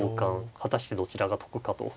果たしてどちらが得かと。